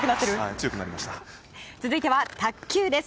続いては卓球です。